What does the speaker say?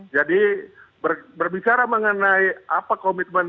jadi berbicara mengenai apa komitmennya